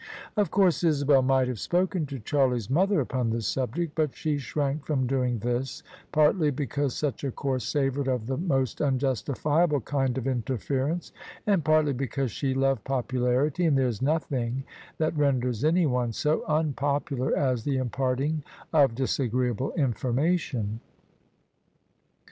Of course Isabel might have spoken to Charlie's mother upon the subject: but she shrank from doing this: partly because such a course savoured of the most unjustifiable kind of interference; and partly because she loved popularity, and there is nothing that renders anyone so unpopular as the imparting of disagreeable information.